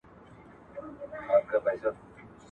که د تجزیې میکانیزم په کار واچول سي، نو معلومات دقیقه سي.